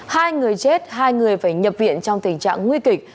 hai người chết hai người phải nhập viện trong tình trạng nguy kịch